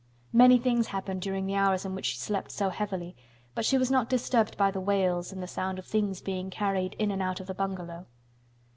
Many things happened during the hours in which she slept so heavily, but she was not disturbed by the wails and the sound of things being carried in and out of the bungalow.